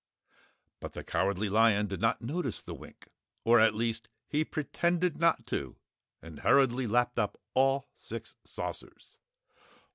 But the Cowardly Lion did not notice the wink. Or at least, he pretended not to and hurriedly lapped up all six saucers.